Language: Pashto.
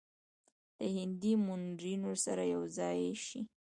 له هندي منورینو سره یو ځای شي.